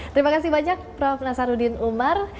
terima kasih banyak prof nasaruddin umar